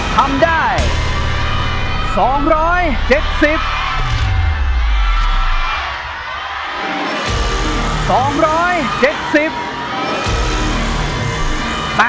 ทำได้สองร้อยเจ็ดสิบ